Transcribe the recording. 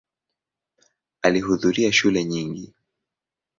Alihudhuria shule nyingi.